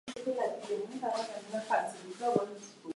The party did not take part in further national elections.